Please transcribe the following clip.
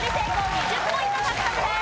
２０ポイント獲得です。